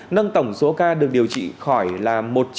nâng tổng số ca được điều trị khỏi là một mươi chín